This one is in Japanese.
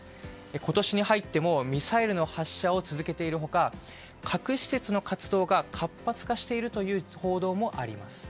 今年に入ってもミサイルの発射を続けている他核施設の活動が活発化しているという報道もあります。